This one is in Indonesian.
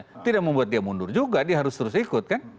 itu tidak membuat dia mundur juga dia harus terus ikut kan